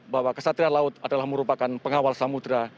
bahwa kesatria laut adalah merupakan pengawal samudera